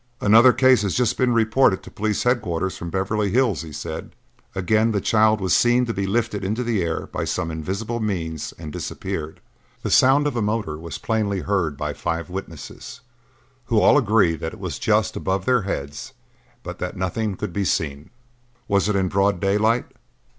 "Another case has just been reported to police headquarters from Beverly Hills," he said. "Again the child was seen to be lifted into the air by some invisible means and disappeared. The sound of a motor was plainly heard by five witnesses, who all agree that it was just, above their heads, but that nothing could be seen." "Was it in broad daylight?"